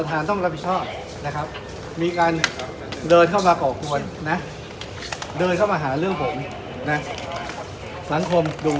ประธานต้องรับผิดชอบมีการเดินเข้ามาเกาะกวนเดินเข้ามาหาเรื่องผมสังคมดู